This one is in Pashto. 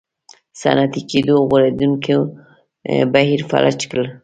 صنعتي کېدو غوړېدونکی بهیر فلج کړل.